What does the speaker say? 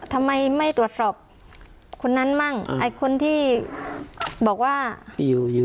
ทำไมไม่ตรวจสอบคนนั้นมั่งไอ้คนที่บอกว่าที่อยู่อยู่